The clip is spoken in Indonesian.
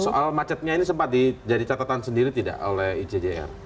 soal macetnya ini sempat jadi catatan sendiri tidak oleh icjr